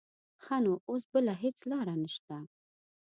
ښه نو اوس بله هېڅ لاره نه شته.